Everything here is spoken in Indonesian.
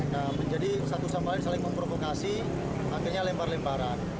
nah menjadi satu sama lain saling memprovokasi akhirnya lempar lemparan